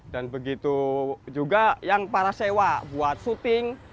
dan begitu juga yang para sewa buat syuting